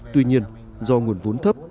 tuy nhiên do nguồn vốn thấp